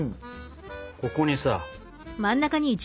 ここにさ。